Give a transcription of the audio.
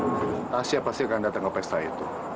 asia pasti akan datang ke pesta itu